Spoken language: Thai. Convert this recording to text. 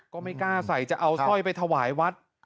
ก็ไม่กล้าใส่จะเอาสร้อยไปถวายวัด